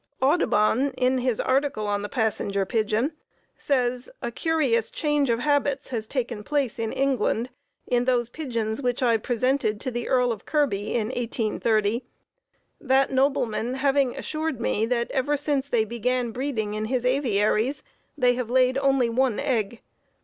Audubon, in his article on the Passenger Pigeon, says: "A curious change of habits has taken place in England in those pigeons which I presented to the Earl of Kirby in 1830, that nobleman having assured me that, ever since they began breeding in his aviaries, they have laid only one egg."